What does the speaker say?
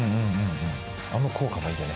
あの効果もいいよね。